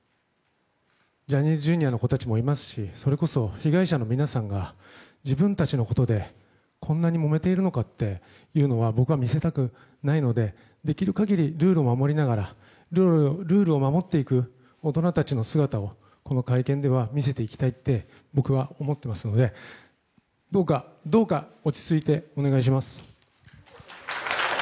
ジャニーズＪｒ．の子たちもいますしそれこそ被害者の皆さんが自分たちのことでこんなにもめているのかっていうのは僕は見せたくないのでできる限りルールを守りながらルールを守っていく大人たちの姿をこの会見では見せていきたいって僕は思っていますのでどうか、どうか落ち着いてお願いします。